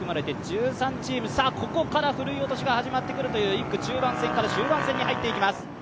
１３チーム、ここからふるい落としが始まってくるという１区中盤戦から終盤戦に入ります。